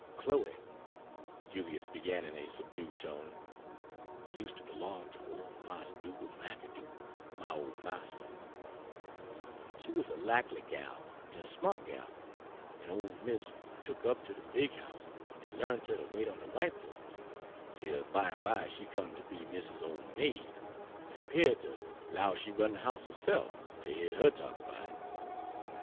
"Chloe," Julius began in a subdued tone, "use' ter b'long ter ole Mars' Dugal' McAdoo, my ole marster. She wuz a lackly gal en a smart gal, en ole mis' tuk her up ter de big house, en l'arnt her ter wait on de w'ite folks, 'tel bimeby she come ter be mis's own maid, en 'peared ter 'low she run de house herse'f, ter heah her talk erbout it.